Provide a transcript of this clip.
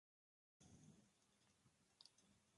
Fueron deportados en el convoy No.